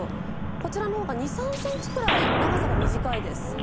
こちらの方が２３センチくらい長さが短いです。